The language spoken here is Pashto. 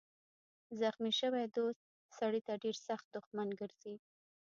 زخمي شوی دوست سړی ته ډېر سخت دښمن ګرځي.